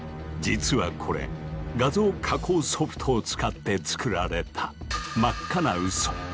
実はこれ画像加工ソフトを使って作られた真っ赤なウソ。